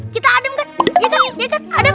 kita adem kan ya kan